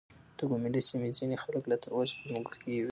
د ګوملې سيمې ځينې خلک لا تر اوسه په ځمکو کې يوې کوي .